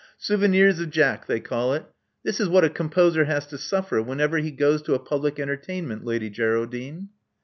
Souvenirs de Jack, they call it This is what a composer has to suffer whenever he goes to a public entertainment, Lady Geraldine."